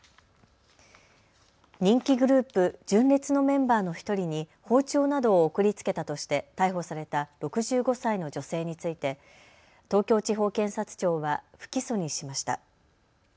人気グループ、純烈のメンバーの１人に包丁などを送りつけたとして逮捕された６５歳の女性について東京地方検察庁は不起訴にしました。